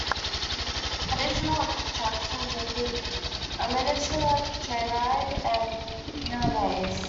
Additional attractions include a miniature train ride and mirror maze.